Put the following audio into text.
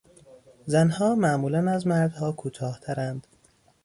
زنها معمولا از مردها کوتاهترند.